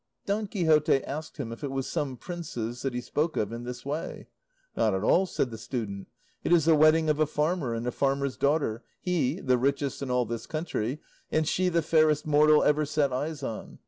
Don Quixote asked him if it was some prince's, that he spoke of it in this way. "Not at all," said the student; "it is the wedding of a farmer and a farmer's daughter, he the richest in all this country, and she the fairest mortal ever set eyes on.